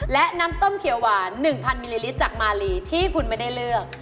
และน้ำส้มเขียวหวาน๑๐๐มิลลิลิตรจากมาลีที่คุณไม่ได้เลือก